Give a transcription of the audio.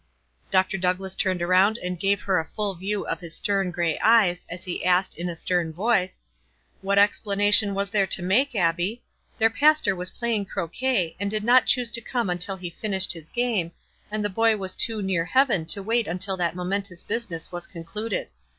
Dr. Douglass turned around and gave her a full view of his stern gray eyes, as he asked, in a stern voice, — "What explanation was there to make, Abbie? WISE AND OTHERWISE. , 33 Their pastor was playing croquet, and did not choose to come until he finished his game, and the boy was too near heaven to wait until that momentous business was concluded.